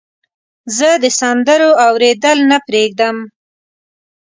زه د سندرو اوریدل نه پرېږدم.